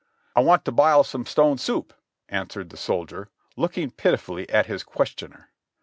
"I want to bile some stone soup," answered the soldier, looking pitifully at his questioner.